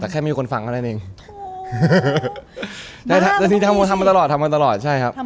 ใช่ครับทำมาตลอด